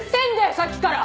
さっきから！